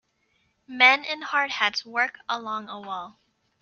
Men in hard hats work along a wall.